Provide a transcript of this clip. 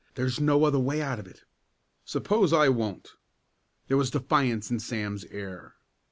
There's no other way out of it." "Suppose I won't?" There was defiance in Sam's air.